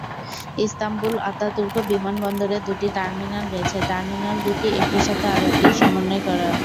Istanbul Ataturk বিমানবন্দরে দুটি terminal রয়েছে, টার্মিনাল দুটি একটির সাথে আরেকটি সমন্বয় করা।